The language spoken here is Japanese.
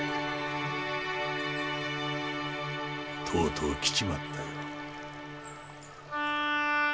とうとう来ちまったよ。